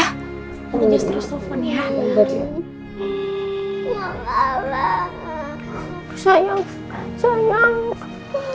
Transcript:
tante jess terus telfon ya